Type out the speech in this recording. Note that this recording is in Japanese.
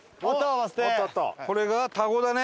これが田子だね。